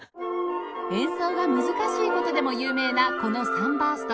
演奏が難しい事でも有名なこの『サンバースト』